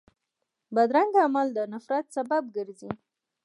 بدرنګه عمل د نفرت سبب ګرځي